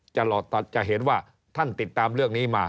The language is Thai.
จะเห็นว่าท่านติดตามเรื่องนี้มา